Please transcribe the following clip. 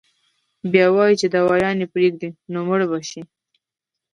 بيا وائي چې دوايانې پرېږدي نو مړه به شي -